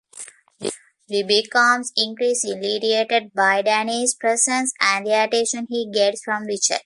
She becomes increasingly irritated by Danny's presence and the attention he gets from Richard.